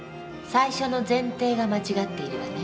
最初の前提が間違っているわね。